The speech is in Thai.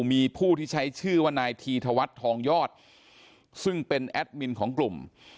มีผู้ที่ใช้ชื่อว่านายธีธวัฒน์ทองยอดซึ่งเป็นแอดมินของกลุ่ม